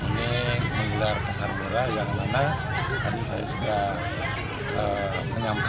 ini menggelar pasar murah yang mana tadi saya sudah menyampaikan